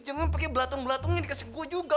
jangan pake belatung belatung yang dikasih gua juga